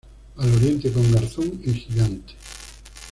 Al oriente con Garzón y Gigante.